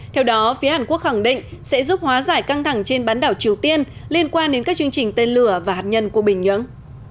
theo đó phía hàn quốc khẳng định sẽ giúp hóa giải căng thẳng trên bán đảo triều tiên liên quan đến các chương trình tên lửa và hạt nhân của bình nhưỡng